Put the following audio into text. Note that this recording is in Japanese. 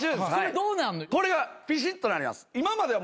これがピシッとなります。